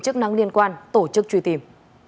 chức năng liên quan tổ chức truy tìm